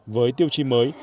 với tiêu chí mới